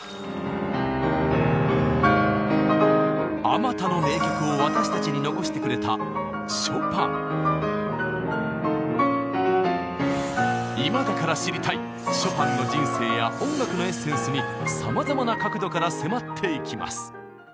あまたの名曲を私たちに残してくれた今だから知りたいショパンの人生や音楽のエッセンスにさまざまな角度から迫っていきます。